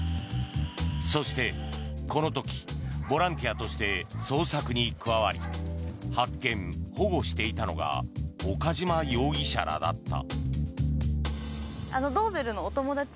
そして、この時ボランティアとして捜索に加わり発見・保護していたのが岡島容疑者らだった。